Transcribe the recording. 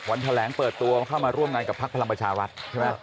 แถลงเปิดตัวเข้ามาร่วมงานกับพักพลังประชารัฐใช่ไหม